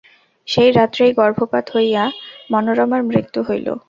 সেই রাত্রেই গর্ভপাত হইয়া মনোরমার মৃত্যু হইল।